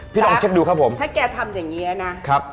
ลองเช็คดูครับผมถ้าแกทำอย่างเงี้ยนะครับ